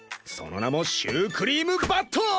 その名もシュークリーム・バット！